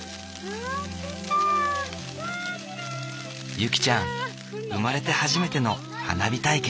ゆきちゃん生まれて初めての花火体験。